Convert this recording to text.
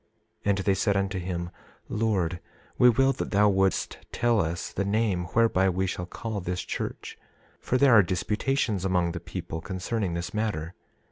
27:3 And they said unto him: Lord, we will that thou wouldst tell us the name whereby we shall call this church; for there are disputations among the people concerning this matter.